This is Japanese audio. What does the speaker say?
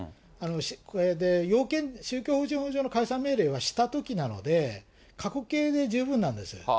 これで宗教法人法上の解散命令はしたときなので、過去形で十分なんですよ。